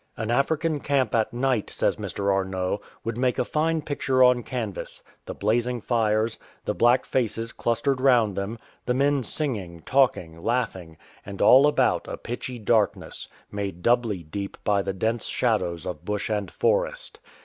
An African camp at night, says Mr. Arnot, would make a fine picture on canvas — the blazing fires ; the black faces clustered round them ; the men singing, talking, laughing ; and all about a pitchy darkness, made doubly deep by the dense shadows of bush and forest.